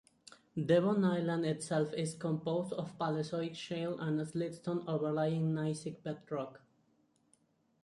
Devon Island itself is composed of Paleozoic shale and siltstone overlying gneissic bedrock.